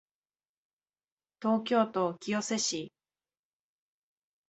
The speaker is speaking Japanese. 東京都清瀬市